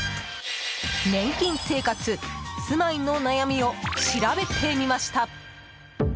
年金生活、住まいの悩みを調べてみました。